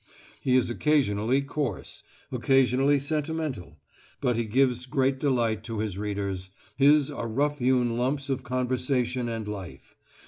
He is occasionally coarse, occasionally sentimental, but he gives great delight to his readers; his are rough hewn lumps of conversation and life.